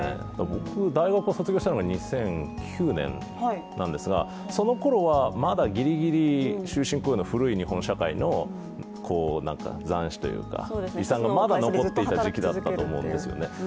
僕、大学を卒業したのが２００９年なんですがそのころはまだギリギリ、終身雇用の古い日本社会の残滓、遺産がまだ残っていたと思うんですね。